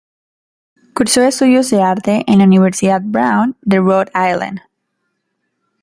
Cursó estudios de arte en la Universidad Brown de Rhode Island.